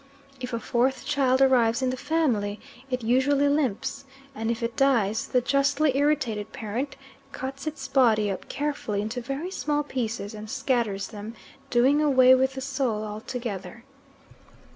If a fourth child arrives in the family, "it usually limps," and if it dies, the justly irritated parent cuts its body up carefully into very small pieces, and scatters them, doing away with the soul altogether.